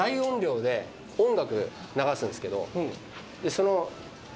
その。